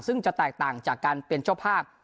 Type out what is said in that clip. ซึ่งจะแตกต่างจากการเป็นเจ้าภาพ